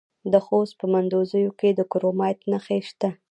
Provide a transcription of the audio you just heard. د خوست په مندوزیو کې د کرومایټ نښې شته.